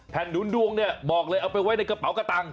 หนุนดวงเนี่ยบอกเลยเอาไปไว้ในกระเป๋ากระตังค์